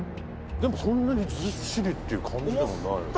でもそんなにズッシリっていう感じでもない。